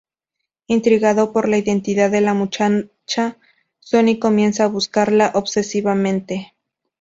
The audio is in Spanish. Intrigado por la identidad de la muchacha Sonny comienza a buscarla obsesivamente.